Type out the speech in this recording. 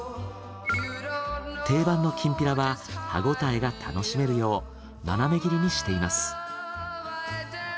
定番のきんぴらは歯応えが楽しめるよう斜め切りにしています。